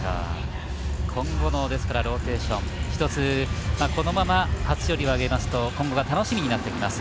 今後のローテーション一つ、このまま初勝利を挙げますと、今後が楽しみになってきます。